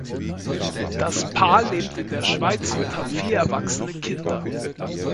Das Paar lebt in der Schweiz und hat vier erwachsene Kinder.